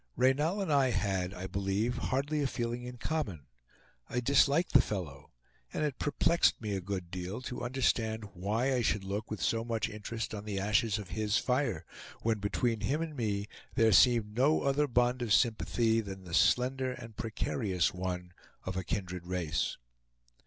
Reynal and I had, I believe, hardly a feeling in common. I disliked the fellow, and it perplexed me a good deal to understand why I should look with so much interest on the ashes of his fire, when between him and me there seemed no other bond of sympathy than the slender and precarious one of a kindred race.